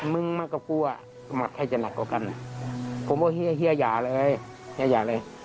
มึงมากกว่ามาใครจะหนักกว่ากันผมก็เฮียอย่าเลยเลย